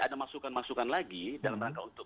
ada masukan masukan lagi dalam rangka untuk